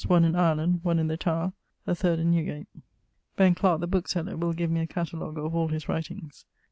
] (one in Ireland, one in the Tower, 3ʳᵈ in Newgate). [L.] Ben Clark the bookseller will give me a catalogue of all his writings.